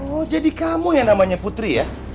oh jadi kamu yang namanya putri ya